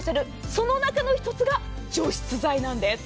その中の１つが除湿剤なんです。